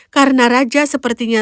karena raja sepertinya